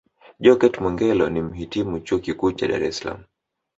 Jokate Mwegelo ni Mhitimu Chuo Kikuu cha Dar Es Salaam